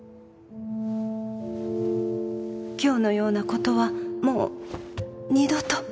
今日のようなことはもう二度と